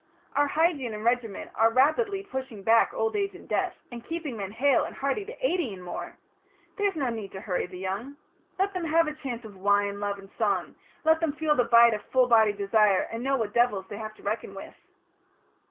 Our hygiene and regimen are rapidly pushing back old age and death, and keeping men hale and hearty to eighty and more. There's no need to hurry the young. Let them have a chance of wine, love, and song; let them feel the bite of full bodied desire, and know what devils they have to reckon with."